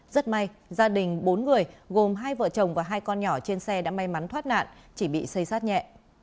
rất may gia đình bốn người gồm hai vợ chồng và hai con nhỏ trên xe đã may mắn thoát nạn chỉ bị xây sát nhẹ